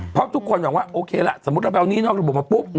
เพราะทุกคนหวังว่าโอเคละสมมุติเราไปเอาหนี้นอกระบบมาปุ๊บ